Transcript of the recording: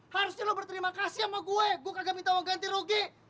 harusnya lo berterima kasih sama gua gua kagak minta lo ganti rugi